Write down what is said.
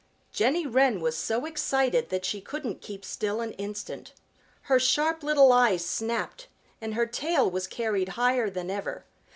Jenny Wren was so excited that she couldn't keep still an instant. Her sharp little eyes snapped and her tail was carried higher than ever.